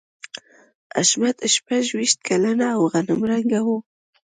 حشمتي شپږویشت کلن او غنم رنګی و